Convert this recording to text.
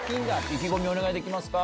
意気込みお願いできますか。